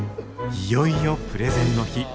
いよいよプレゼンの日。